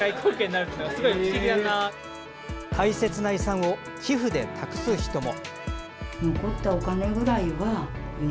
大切な遺産を寄付で託す人も。